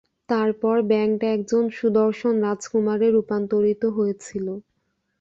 তারপর, ব্যাঙটা একজন সুদর্শন রাজকুমারে রূপান্তরিত হয়েছিল।